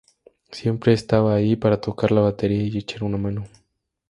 Siempre estaba ahí para tocar la batería y echar una mano".